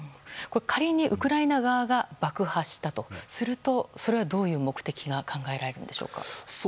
仮に、ウクライナ側が爆破したとするとそれはどういう目的が考えられるんでしょうか？